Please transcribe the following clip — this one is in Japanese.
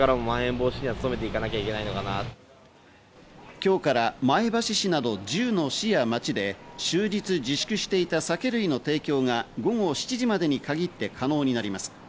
今日から前橋市など１０の市や町で終日自粛していた酒類の提供が午後７時までに限って可能になります。